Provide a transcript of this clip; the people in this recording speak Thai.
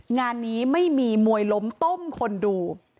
งานนี้ไม่มีมวยล้มต้มคนดู